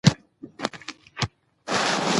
نورستان د افغانستان د طبیعي زیرمو برخه ده.